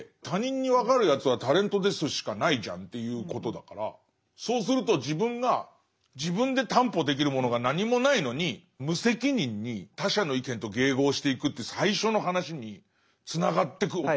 他人に分かるやつは「タレントです」しかないじゃんっていうことだからそうすると自分が自分で担保できるものが何もないのに無責任に他者の意見と迎合していくって最初の話につながってく。